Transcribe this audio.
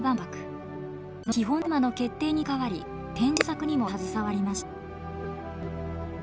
その基本テーマの決定に関わり展示の制作にも携わりました。